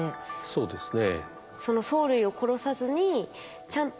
そうですね。